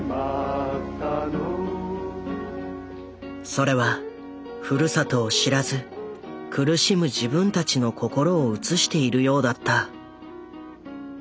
それはふるさとを知らず苦しむ自分たちの心を映しているようだった。